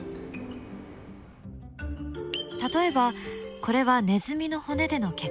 例えばこれはネズミの骨での結果。